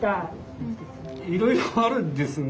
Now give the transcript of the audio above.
いろいろあるんですが。